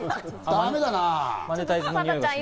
だめだね。